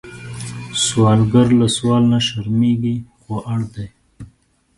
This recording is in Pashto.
سوالګر له سوال نه شرمېږي، خو اړ دی